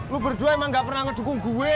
lu berdua emang gak pernah ngedukung gue